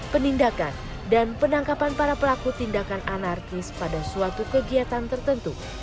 penindakan dan penangkapan para pelaku tindakan anarkis pada suatu kegiatan tertentu